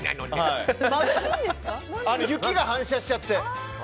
雪が反射しちゃって。